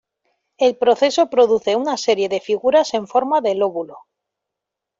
El proceso produce una serie de figuras en forma de lóbulo.